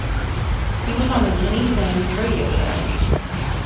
He was on the Ginny Simms radio show.